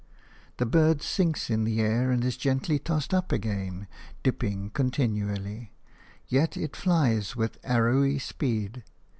The bird sinks in the air and is gently tossed up again, dipping continually; yet it flies with arrowy speed.